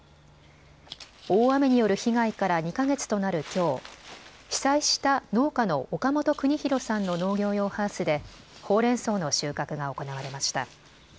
大雨による被害から２か月となるきょう被災した農家の岡本邦啓さんの農業用ハウスでほうれんそうの収穫が行われました。